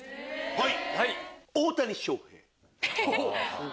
はい！